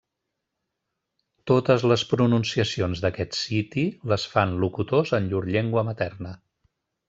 Totes les pronunciacions d'aquest siti les fan locutors en llur llengua materna.